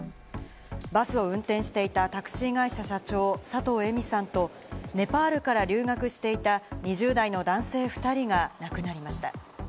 バスを運転していたタクシー会社社長・佐藤恵美さんとネパールから留学していた２０代の男性２人が亡くなりました。